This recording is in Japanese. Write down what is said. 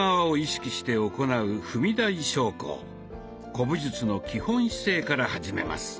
古武術の基本姿勢から始めます。